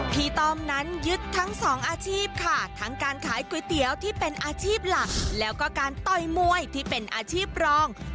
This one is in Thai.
ต้อมนั้นยึดทั้งสองอาชีพค่ะทั้งการขายก๋วยเตี๋ยวที่เป็นอาชีพหลักแล้วก็การต่อยมวยที่เป็นอาชีพรอง